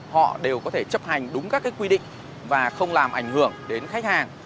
họ đều có thể chấp hành đúng các quy định và không làm ảnh hưởng đến khách hàng